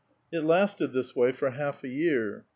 It lasted this way for half a year.